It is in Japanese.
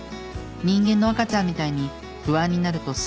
人間の赤ちゃんみたいに不安になるとすぐ抱っこ。